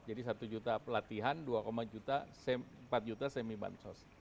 jadi satu juta pelatihan dua empat juta semi bansos